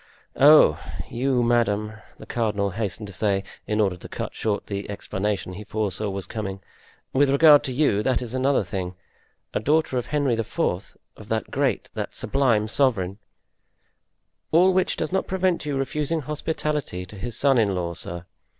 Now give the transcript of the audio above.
"Oh, you, madame," the cardinal hastened to say, in order to cut short the explanation he foresaw was coming, "with regard to you, that is another thing. A daughter of Henry IV., of that great, that sublime sovereign——" "All which does not prevent you refusing hospitality to his son in law, sir!